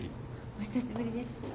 お久しぶりです。